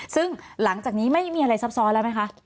ซึ่งหลังจากนี้ไม่มีอะไรซับซ้อนแล้วไหมคะ